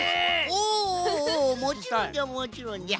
おおもちろんじゃもちろんじゃ。